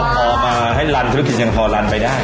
พอมาให้ลันธุรกิจยังพอรันไปได้